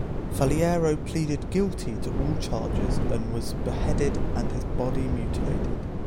Faliero pleaded guilty to all charges and was beheaded and his body mutilated.